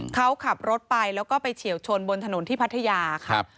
เขาขับรถไปแล้วก็ไปเฉียวชนบนถนนที่พัทยาครับ